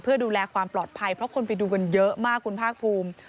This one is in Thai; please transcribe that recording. เพื่อดูแลความปลอดภัยเพราะคนไปดูกันเยอะมากคุณภาคภูมิ